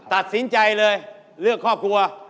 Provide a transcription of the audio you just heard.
ตัดสินใจเลยเลือกครอบครัว